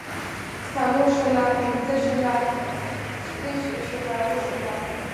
څلور شله پنځۀ شله شټږ شله اووه شله